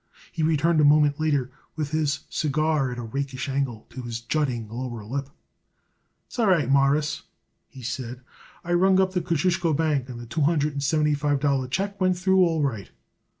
He returned a moment later with his cigar at a rakish angle to his jutting lower lip. "It's all right, Mawruss," he said. "I rung up the Kosciusko Bank and the two hundred and seventy five dollar check went through all right."